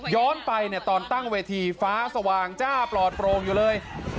ไปเนี่ยตอนตั้งเวทีฟ้าสว่างจ้าปลอดโปร่งอยู่เลย